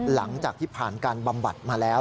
หลังจากที่ผ่านการบำบัดมาแล้ว